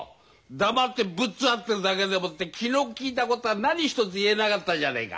黙ってぶっ座ってるだけでもって気の利いたことは何一つ言えなかったじゃねえか。